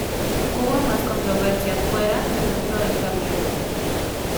Hubo más controversia fuera que dentro del tablero.